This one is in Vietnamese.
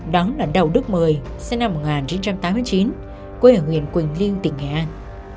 đó là đầu đức mười sinh năm một nghìn chín trăm tám mươi chín quê ở huyện quỳnh lưu tỉnh nghệ an